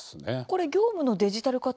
これ業務のデジタル化